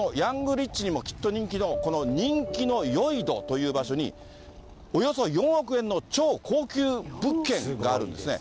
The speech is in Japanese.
リッチにもきっと人気のこの人気のヨイドという場所に、およそ４億円の超高級物件があるんですね。